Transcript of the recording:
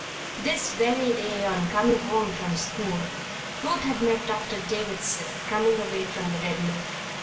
This very day, on coming home from school, Ruth had met Doctor Davison coming away from the Red Mill.